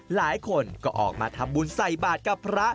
หลายคนก็ออกมาทำบุญใส่บาทกับพระ